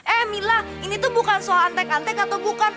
eh mila ini tuh bukan soal antek antek atau bukan